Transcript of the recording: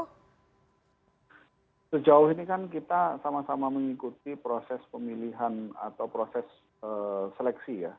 sejauh ini kan kita sama sama mengikuti proses pemilihan atau proses seleksi ya